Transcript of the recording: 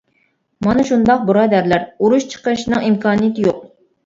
-مانا شۇنداق، بۇرادەرلەر، ئۇرۇش چىقىرىشنىڭ ئىمكانىيىتى يوق.